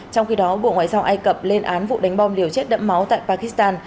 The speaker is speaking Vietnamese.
trong khi đó bộ ngoại giao ai cập lên án vụ đánh bom liều chết đẫm máu tại pakistan